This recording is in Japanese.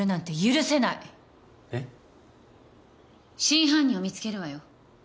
真犯人を見つけるわよ。